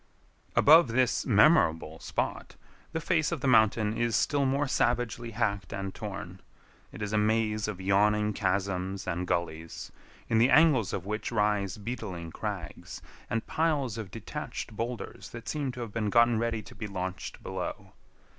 Above this memorable spot, the face of the mountain is still more savagely hacked and torn. It is a maze of yawning chasms and gullies, in the angles of which rise beetling crags and piles of detached boulders that seem to have been gotten ready to be launched below.